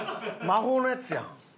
魔法のやつやん。